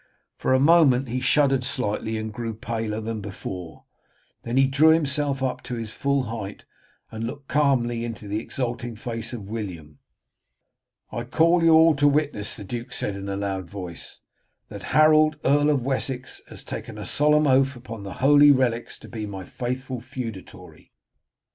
For a moment he shuddered slightly and grew paler than before, then he drew himself up to his full height, and looked calmly into the exulting face of William. "I call you all to witness," the duke said in a loud voice, "that Harold, Earl of Wessex, has taken a solemn oath upon the holy relics to be my faithful feudatory."